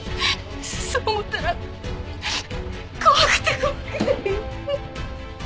そう思ったら怖くて怖くて。